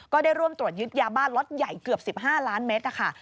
ก็ได้ร่วมตรวจยึดยาบ้าล็อตใหญ่เกือบ๑๕ล้านเมตรนะคะ